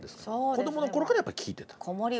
子どもの頃からやっぱり聴いてた。